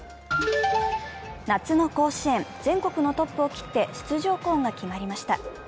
夏の甲子園、全国のトップを切って出場校が決まりました。